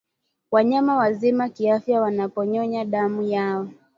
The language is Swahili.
wanyama wazima kiafya wanaponyonya damu yao